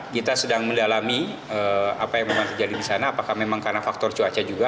kita sedang mendalami apa yang memang terjadi di sana apakah memang karena faktor cuaca juga